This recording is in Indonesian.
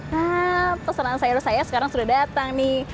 hmm pesanan sayur saya sekarang sudah datang nih